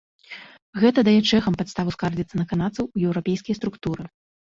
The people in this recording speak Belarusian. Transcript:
Гэта дае чэхам падставу скардзіцца на канадцаў у еўрапейскія структуры.